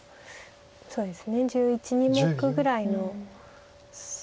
そうですね１１１２目ぐらいの差ですか。